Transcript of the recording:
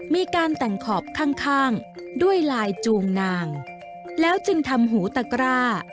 มีการแต่งขอบข้างด้วยลายจูงนางแล้วจึงทำหูตะกร้า